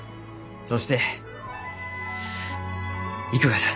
そして行くがじゃ。